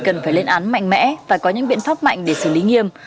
cần phải lên án mạnh mẽ và có những biện pháp mạnh để xử lý nghiêm